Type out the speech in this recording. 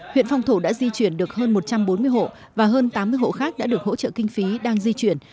huyện phong thổ đã di chuyển được hơn một trăm bốn mươi hộ và hơn tám mươi hộ khác đã được hỗ trợ kinh phí đang di chuyển